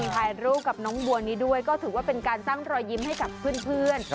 ถ่ายรูปกับน้องบัวนี้ด้วยก็ถือว่าเป็นการสร้างรอยยิ้มให้กับเพื่อน